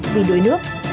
vì đối nước